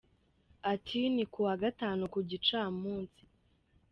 Ati “Ni kuwa gatanu ku gicamunsi.